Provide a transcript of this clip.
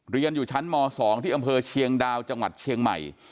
เรียนอยู่ชั้นม๒ที่อำเภอเชียงดาวจังหวัดเชียงใหม่